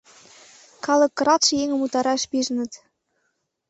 Калык кыралтше еҥым утараш пижыныт.